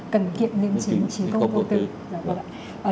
cần kiệm niệm trí công cụ tư